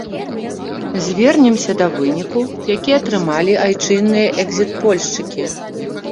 Звернемся да выніку, які атрымалі айчынныя экзітпольшчыкі.